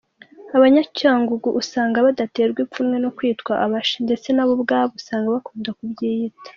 Abanyacyangugu usanga badaterwa ipfunwe no kwitwa abashi, ndetse nabo ubwabo usanga bakunda kubyiyita.